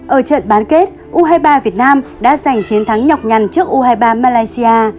ở trận bán kết u hai mươi ba việt nam đã giành chiến thắng nhọc nhằn trước u hai mươi ba malaysia